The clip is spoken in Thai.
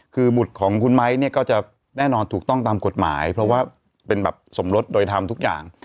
คือบุตรของคุณไม้เนี่ยก็จะแน่นอนถูกต้องตามกฎหมายเพราะว่าเป็นแบบสมรสโดยทำทุกอย่าง